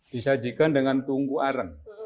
disajikan dengan tungku aren